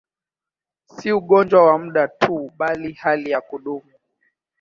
Si ugonjwa wa muda tu, bali hali ya kudumu.